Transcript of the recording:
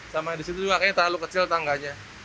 sama di situ juga kayaknya terlalu kecil tangganya